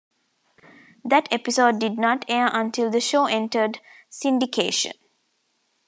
That episode did not air until the show entered syndication.